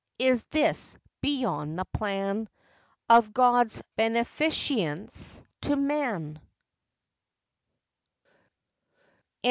is this beyond the plan Of God's beneficence to man ?